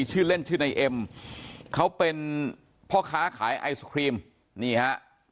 ชื่อเล่นชื่อในเอ็มเขาเป็นพ่อค้าขายไอศครีมนี่ฮะ